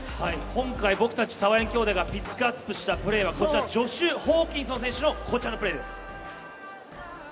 今回、僕たちサワヤン兄弟がピックアップしたプレーはこちらジョシュ・ホーキンソン選手のこちらのプレーです。